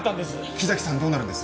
木崎さんどうなるんです？